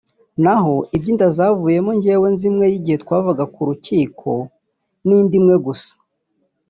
naho iby’inda zavuyemo njye nzi imwe y’igihe twavaga ku rukiko n’indi imwe gusa